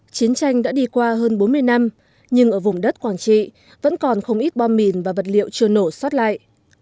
chiến tranh đã đi qua hơn bốn mươi năm nhưng ở vùng đất quảng trị vẫn còn không ít bom mìn và vật liệu chưa nổ sót lại